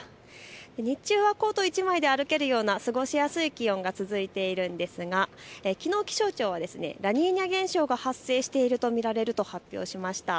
日中はコート１枚で歩けるような過ごしやすい気温が続いているんですが、きのう気象庁はラニーニャ現象が発生していると見られると発表しました。